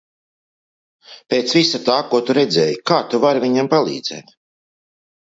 Pēc visa tā, ko tu redzēji, kā tu vari viņiem palīdzēt?